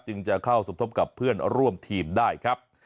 จึงจะเข้าสมทบกับเพื่อนร่วมทีมได้ครับ